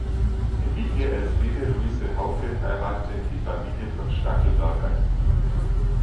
Emilie Elfriede Luise Hauke heiratete in die Familie von Stackelberg ein.